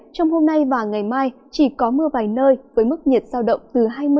trong hôm nay và ngày mai chỉ có mưa vài nơi với mức nhiệt giao động từ hai mươi ba mươi